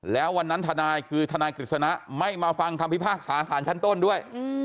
แล้ววันนั้นทนายคือทนายกฤษณะไม่มาฟังคำพิพากษาสารชั้นต้นด้วย